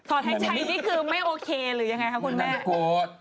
อ่ะถอดไฮชัยที่คือไม่โอเคหรือยังไงค่ะคุณแม่นั้นโกรธ